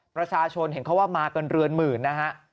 ประชาชนเห็นเขาว่ามากันเรือนหมื่นนะฮะ